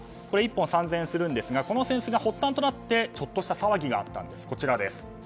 これ１本３０００円するんですがこの扇子が発端となってちょっとした騒ぎがあったんです。